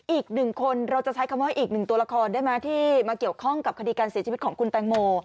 อีกหนึ่งคนเราจะใช้คำว่าอีกหนึ่งตัวละครได้ไหมที่มาเกี่ยวข้องกับคดีการเสียชีวิตของคุณแตงโม